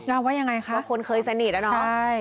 แล้วว่ายังไงคะว่าคนเคยสนิทแล้วเนอะใช่